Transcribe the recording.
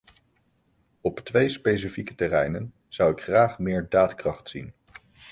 Op twee specifieke terreinen zou ik graag meer daadkracht zien.